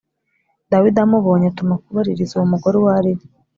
Dawidi amubonye atuma kubaririza uwo mugore uwo ari we.